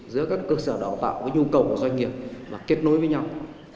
giữa các cơ sở đào tạo với nhu cầu của doanh nghiệp và kết nối với nhau